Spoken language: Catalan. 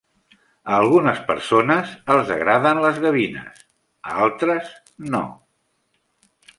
A algunes persones els agraden les gavines; a altres, no.